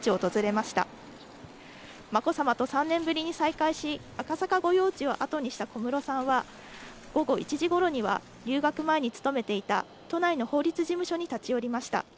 まこさまと３年ぶりに再会し、赤坂御用地を後にした小室さんは、午後１時ごろには留学前に勤めていた都内の法律事務所に立ち寄りました。